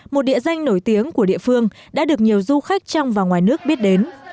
một địa danh nổi tiếng của địa phương đã được nhiều du khách trong và ngoài nước biết đến